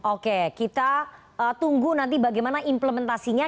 oke kita tunggu nanti bagaimana implementasinya